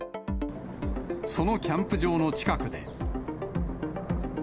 そのキャンプ場の近くで。